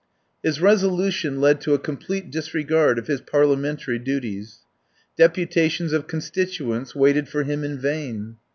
His resolution led to a complete disregard of his Parliamentary duties. Deputations of constituents waited for him in vain.